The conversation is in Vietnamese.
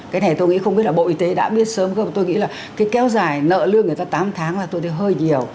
cái này tôi nghĩ không biết là bộ y tế đã biết sớm không tôi nghĩ là cái kéo dài nợ lương người ta tám tháng là tôi thấy hơi nhiều